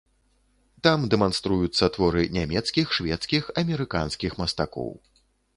Там дэманструюцца творы нямецкіх, шведскіх, амерыканскіх мастакоў.